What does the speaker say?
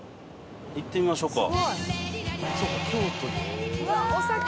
行ってみましょか。